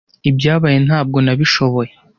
Ibyabaye ntabwo nabishoboye.